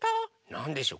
なんでしょう？